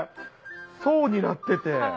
層になってて。